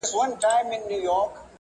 وايي اوس مړ يمه چي مړ شمه ژوندی به شمه